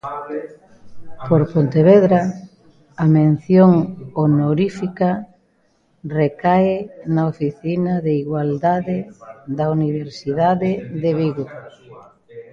Por Pontevedra, a mención honorífica recae na Oficina de Igualdade da Universidade de Vigo.